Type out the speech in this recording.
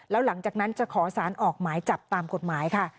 แล้วหลังจากนั้นจะขอสารออกหมายจับตามกฎหมายค่ะ